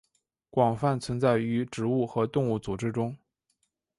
广泛存在于植物和动物组织中。